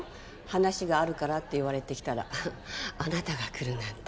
話があるからって言われて来たらあなたが来るなんて。